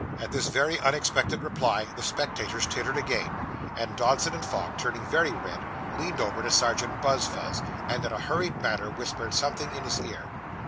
At this very unexpected reply, the spectators tittered again, and Dodson & Fogg, turning very red, leaned over to Serjeant Buzfuz, and in a hurried manner whispered something in his ear.